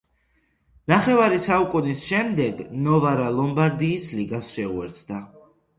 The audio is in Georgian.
ნახევარი საუკუნის შემდეგ ნოვარა ლომბარდიის ლიგას შეუერთა.